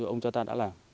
ông cho ta đã làm